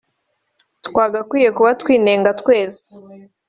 twagakwiye kuba twinenga twese